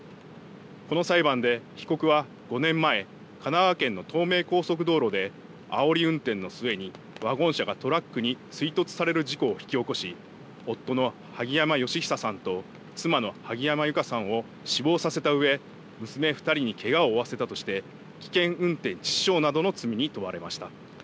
この裁判で被告は５年前神奈川県の東名高速道路であおり運転の末にワゴン車がトラックに追突される事故を引き起こし、夫の萩山嘉久さんと妻の萩山友香さんを死亡させたうえ、娘２人にけがを負わせたとして危険運転致死傷などの罪に問われました。